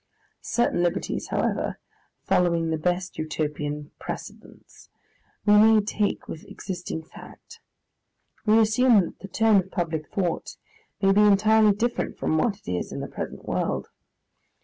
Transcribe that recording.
Certain liberties, however, following the best Utopian precedents, we may take with existing fact. We assume that the tone of public thought may be entirely different from what it is in the present world.